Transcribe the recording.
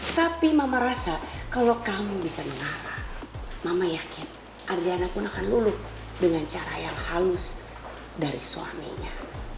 tapi mama rasa kalau kamu bisa mengalah mama yakin adriana pun akan luluh dengan cara yang halus dari suaminya